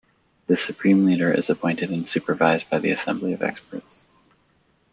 The Supreme Leader is appointed and supervised by the Assembly of Experts.